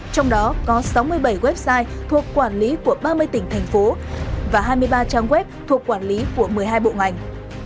trong đó có sáu mươi bảy website thuộc quản lý của ba mươi tỉnh thành phố và hai mươi ba trang web thuộc quản lý của một mươi hai bộ ngành